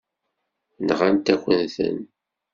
Nɣant-akent-ten.